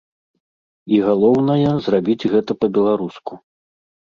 І, галоўнае, зрабіць гэта па-беларуску.